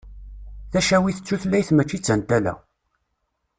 Tacawit d tutlayt mačči d tantala.